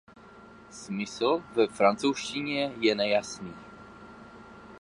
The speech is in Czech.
Smysl ve francouzštině je nejasný.